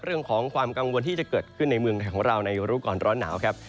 เรื่องของความกังวลที่จะเกิดขึ้นในเมืองไทยของเราในรู้ก่อนร้อนหนาวครับ